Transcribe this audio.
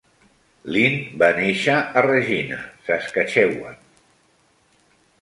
Lind va néixer a Regina, Saskatchewan.